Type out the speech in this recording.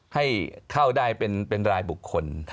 ให้เข้าได้เป็นรายบุคคล